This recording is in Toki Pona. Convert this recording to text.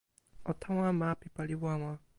o tawa ma pi pali wawa.